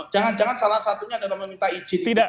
jangan salah satunya ada yang meminta izin